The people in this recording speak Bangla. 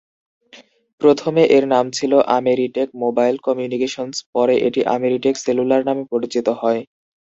প্রথমে এর নাম ছিল আমেরিটেক মোবাইল কমিউনিকেশন্স, পরে এটি আমেরিটেক সেলুলার নামে পরিচিত হয়।